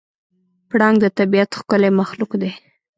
پړانګ د طبیعت ښکلی مخلوق دی.